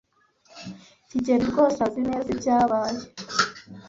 kigeli rwose azi neza ibyabaye.